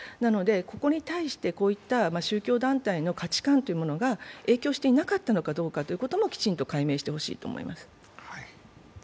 ここに対して、こういった宗教団体の価値観というものが影響していなかったのかどうかということもきちんと解明してほしいと思います。